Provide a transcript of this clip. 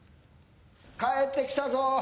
帰ってきたぞ。